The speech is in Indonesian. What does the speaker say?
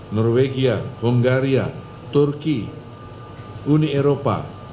norwegia hungaria turki uni eropa